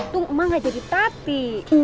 tung emang gak jadi tati